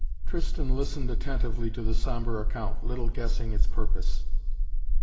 Tristan listened attentively to the sombre account, little guessing its purpose.